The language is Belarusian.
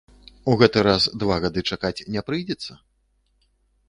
У гэты раз два гады чакаць не прыйдзецца?